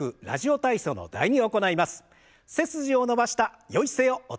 「ラジオ体操第２」。